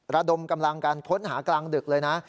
ระดมกำลังการค้นหากลางดึกเลยนะ